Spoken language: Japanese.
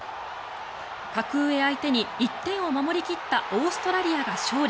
格上相手に１点を守り切ったオーストラリアが勝利。